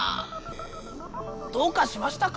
どうかしましたか？